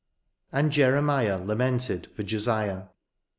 " And Jeremiah lamented for Jotiah."